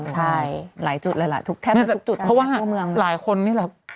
ทั้งมาทุกตุ๊ก